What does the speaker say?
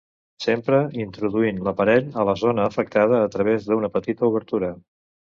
S'empra introduint l'aparell a la zona afectada, a través d'una petita obertura.